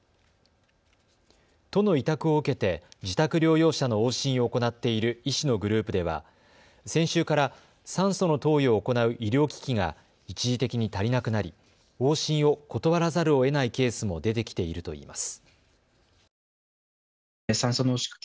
都の委託を受けて、自宅療養者の往診を行っている医師のグループでは先週から酸素の投与を行う医療機器が一時的に足りなくなり往診を断らざるをえないケースも出てきているといいます。